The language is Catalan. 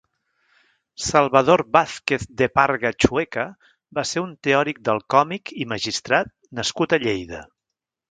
Salvador Vázquez de Parga Chueca va ser un teòric del còmic i magistrat nascut a Lleida.